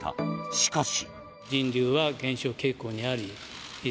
しかし。